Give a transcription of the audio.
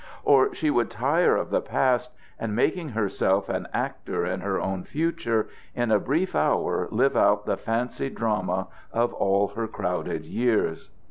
Or she would tire of the past, and making herself an actor in her own future, in a brief hour live out the fancied drama of all her crowded years.